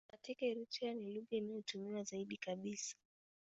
Katika Eritrea ni lugha inayotumiwa zaidi kabisa.